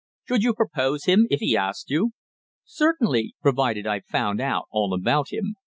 "Should you propose him if he asked you?" "Certainly, provided I found out all about him.